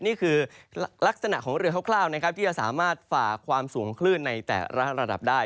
นี่คือลักษณะของเรือคร่าวนะครับที่จะสามารถฝ่าความสูงคลื่นในแต่ละระดับได้